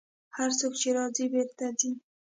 هر څوک چې راځي، بېرته ځي.